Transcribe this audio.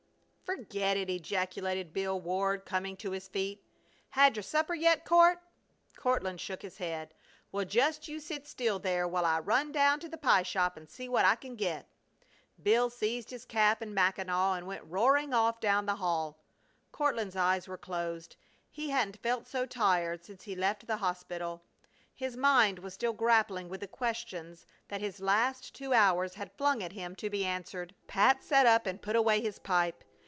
"Ferget it!" ejaculated Bill Ward, coming to his feet. "Had your supper yet, Court?" Courtland shook his head. "Well, just you sit still there while I run down to the pie shop and see what I can get." Bill seized his cap and mackinaw and went roaring off down the hall. Courtland's eyes were closed. He hadn't felt so tired since he left the hospital. His mind was still grappling with the questions that his last two hours had flung at him to be answered. Pat sat up and put away his pipe.